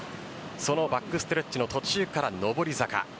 そのバックストレッチの途中から上り坂